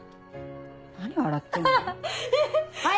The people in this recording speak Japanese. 何笑ってんの？